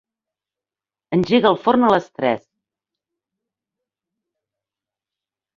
Engega el forn a les tres.